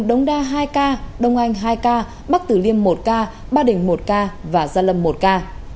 đống đa hai ca đông anh hai ca bắc tử liêm một ca ba đình một ca và gia lâm một ca